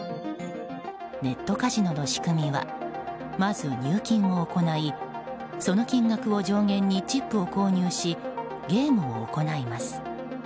ネットカジノの仕組みはまず入金を行いその金額を上限にチップを購入しゲームを行います。